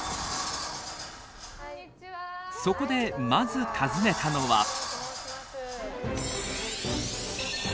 そこでまず訪ねたのは。